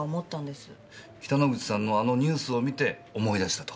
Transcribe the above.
北之口さんのあのニュースを見て思い出したと？